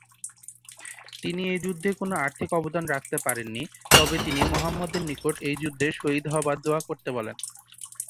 তিনি এই যুদ্ধে কোন আর্থিক অবদান রাখতে পারেননি, তবে তিনি মুহাম্মাদের নিকট এই যুদ্ধে শহীদ হবার দোয়া করতে বলেন।